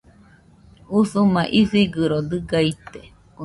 Usuma isigɨro dɨga ite